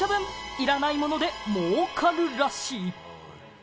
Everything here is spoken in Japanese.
いらないもので儲かるらしい。